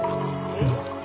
うん？